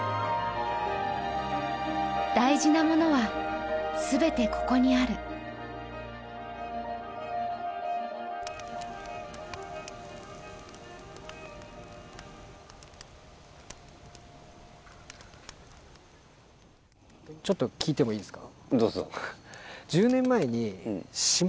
大事なものは全てここにあるちょっと聞いてもいいですか？